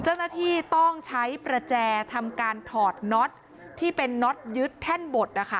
เจ้าหน้าที่ต้องใช้ประแจทำการถอดน็อตที่เป็นน็อตยึดแท่นบดนะคะ